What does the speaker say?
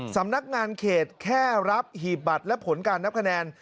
สำนักงานเขตแค่รับหีบบัตรและผลการนับคะแนน